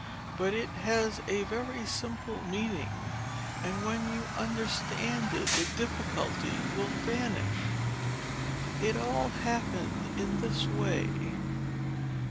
But it has a very simple meaning, and when you understand it the difficulty will vanish. It all happened in this way.